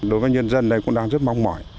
đối với nhân dân đây cũng đang rất mong mỏi